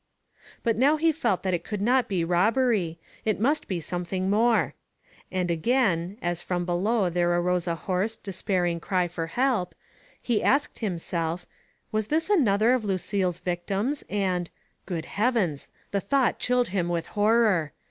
But now he felt that it could not be robbery ; it must be something more ; and again, as from below there arose a hoarse, despairing cry for help, he asked himself, was this another of Lu cille's victims, and — jgood Heavens ! the thought chilled him with horror.